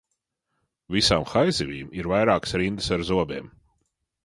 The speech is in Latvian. Visām haizivīm ir vairākas rindas ar zobiem.